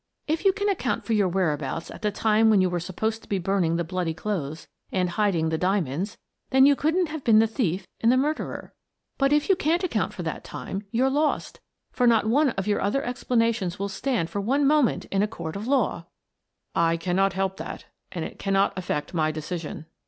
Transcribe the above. If you can account for your whereabouts at the time when you were supposed to be burning the bloody clothes and hiding the diamonds, then you couldn't have been the thief and the murderer. But if you 142 Miss Frances Baird, Detective can't account for that time, you're lost, for not one of your other explanations will stand for one mo ment in a court of law !"" I cannot help that — and it cannot affect my decision."